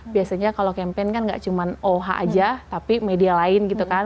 biasanya kalau campaign kan nggak cuma oh aja tapi media lain gitu kan